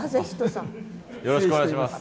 よろしくお願いします。